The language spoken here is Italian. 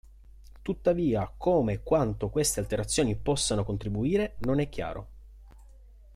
Tuttavia come e quanto queste alterazioni possano contribuire non è chiaro.